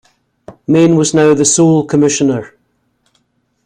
Mayne was now the sole Commissioner.